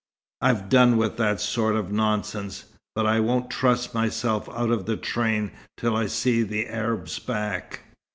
"I've done with that sort of nonsense; but I won't trust myself out of the train till I see the Arab's back.